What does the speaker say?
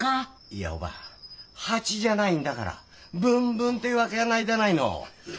いやおばぁ蜂じゃないんだから「ブンブン」ってわけはないじゃないの。